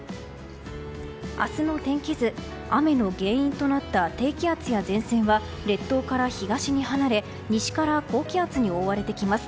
明日の天気図雨の原因となった低気圧や前線は列島から東に離れ西から高気圧に覆われてきます。